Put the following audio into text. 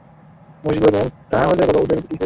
মহিষী কহিলেন, তাহা হইলে বাবা উদয়ের কী হইবে?